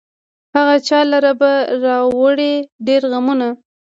هغه چا لره به راوړي ډېر غمونه